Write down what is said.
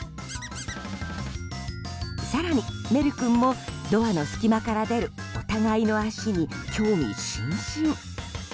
更に、メル君もドアの隙間から出るお互いの脚に興味津々。